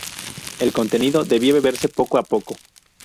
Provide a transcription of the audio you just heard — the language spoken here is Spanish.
El contenido debía beberse poco a poco.